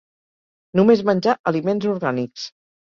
Només menjar aliments orgànics.